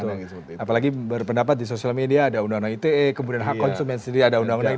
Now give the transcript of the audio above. apalagi berpendapat di sosial media ada undang undang ite kemudian hak konsumen sendiri ada undang undang ite